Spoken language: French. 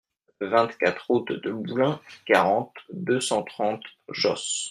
vingt-quatre route de Boulins, quarante, deux cent trente, Josse